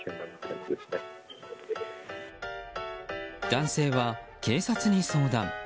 男性は、警察に相談。